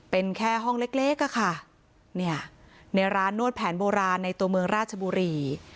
เป็นแค่ห้องเล็กนี่ละในร้านนวดแผนโบราณในตัวเมืองราชบุรี